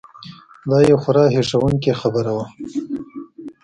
دا یو خورا هیښوونکې خبره وه.